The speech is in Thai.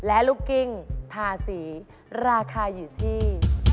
และลูกกิ้งทาสีราคาอยู่ที่